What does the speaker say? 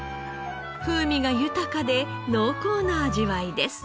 風味が豊かで濃厚な味わいです。